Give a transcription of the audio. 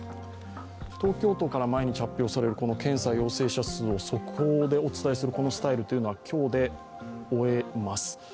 東京都から毎日発表される検査陽性者数を速報でお伝えするこのスタイルは今日で終えます。